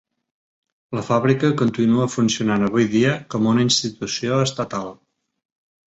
La fàbrica continua funcionant avui dia com una institució estatal.